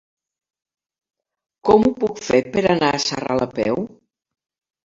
Com ho puc fer per anar a Sarral a peu?